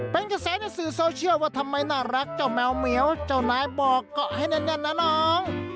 เป็นกระแสในสื่อโซเชียลว่าทำไมน่ารักเจ้าแมวเหมียวเจ้านายบอกเกาะให้แน่นนะน้อง